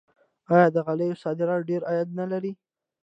آیا د غالیو صادرات ډیر عاید نلري؟